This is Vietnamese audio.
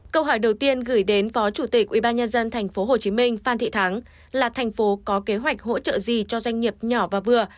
câu hỏi đầu tiên gửi đến phó chủ tịch ubnd tp hcm phan thị thắng là thành phố có kế hoạch hỗ trợ gì cho doanh nghiệp nhỏ và vừa